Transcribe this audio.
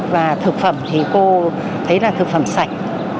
và thực phẩm thì cô thấy là thực phẩm sạch